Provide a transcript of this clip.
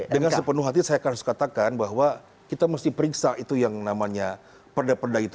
dengan sepenuh hati saya harus katakan bahwa kita mesti periksa itu yang namanya perda perda itu